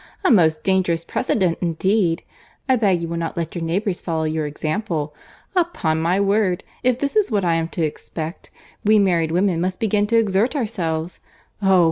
—A most dangerous precedent indeed!—I beg you will not let your neighbours follow your example.—Upon my word, if this is what I am to expect, we married women must begin to exert ourselves!—Oh!